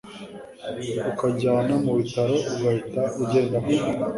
ukanjyana mu bitaro ugahita ugenda koko